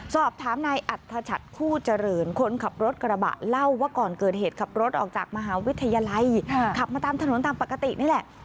สอบถามนายอัธชัดคู่เจริญคนขับรถกระบะเล่าว่าก่อนเกิดเหตุขับรถออกจากมหาวิทยาลัยขับมาตามถนนตามปกตินี่แหละ